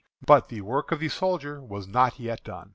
But the work of the soldier was not yet done.